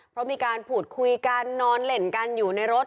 เพราะมีการพูดคุยกันนอนเล่นกันอยู่ในรถ